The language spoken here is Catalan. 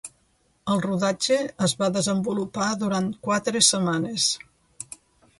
El rodatge es va desenvolupar durant quatre setmanes.